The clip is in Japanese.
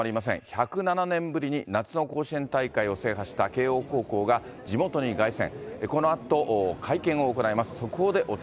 １０７年ぶりに夏の甲子園大会を制覇した慶応高校が、地元に凱旋。